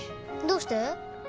どうして？